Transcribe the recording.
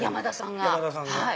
山田さんが。